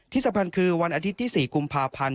ที่สำคัญคือวันอาทิตย์ที่๔กุมภาพันธ์